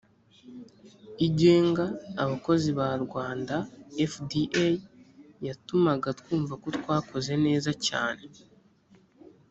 igenga abakozi ba rwanda fda yatumaga twumva ko twakoze neza cyane